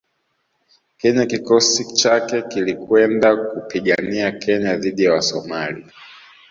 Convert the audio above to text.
Kenya kikosi chake kilikwenda kupigania Kenya dhidi ya Wasomali